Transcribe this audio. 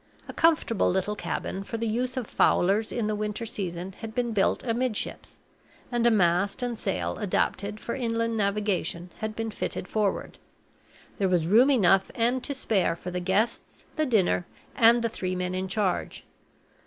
A comfortable little cabin for the use of fowlers in the winter season had been built amidships, and a mast and sail adapted for inland navigation had been fitted forward. There was room enough and to spare for the guests, the dinner, and the three men in charge.